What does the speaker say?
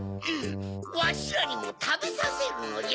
わしらにもたべさせるのじゃ。